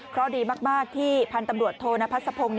เพราะดีมากที่พันธุ์ตำรวจโทนพัศพงศ์